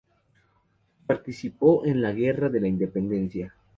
Participó en la Guerra de la Independencia.